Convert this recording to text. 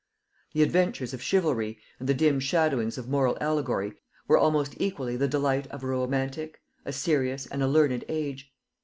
The adventures of chivalry, and the dim shadowings of moral allegory, were almost equally the delight of a romantic, a serious and a learned age.